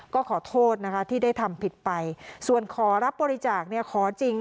ก็ขอโทษที่ได้ทำผิดไปส่วนขอรับบริจาคขอจริง